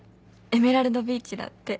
エメラルドビーチだって。